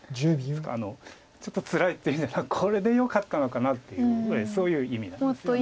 ちょっとつらいというんじゃなくこれでよかったのかなっていうそういう意味なんですよね。